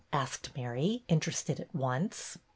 asked Mary, interested at once.